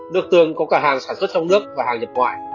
nước tương có cả hàng sản xuất trong nước và hàng nhật ngoại